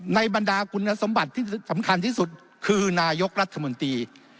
บรรดาคุณสมบัติที่สำคัญที่สุดคือนายกรัฐมนตรี